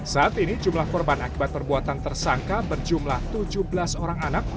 saat ini jumlah korban akibat perbuatan tersangka berjumlah tujuh belas orang anak